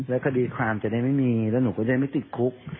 คดีความจะได้ไม่มีแล้วหนูก็จะไม่ติดคุก